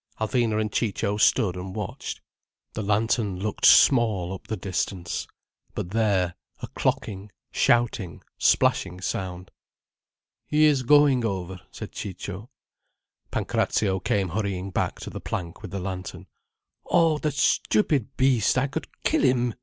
Alvina and Ciccio stood and watched. The lantern looked small up the distance. But there—a clocking, shouting, splashing sound. "He is going over," said Ciccio. Pancrazio came hurrying back to the plank with the lantern. "Oh the stupid beast! I could kill him!"